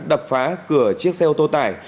đập phá cửa chiếc xe ô tô tải